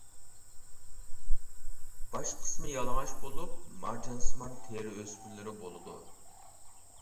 باش قىسمى يالىڭاچ بولۇپ، مارجانسىمان تېرە ئۆسمىلىرى بولىدۇ.